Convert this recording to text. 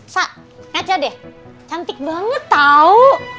sa kaca deh cantik banget tau